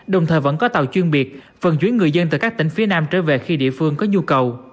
đồng thời vẫn có tàu chuyên biệt phần chuyển người dân từ các tỉnh phía nam trở về khi địa phương có nhu cầu